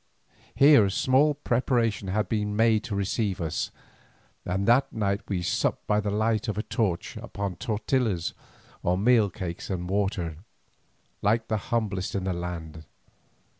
Here small preparation had been made to receive us, and that night we supped by the light of a torch upon tortillas or meal cakes and water, like the humblest in the land.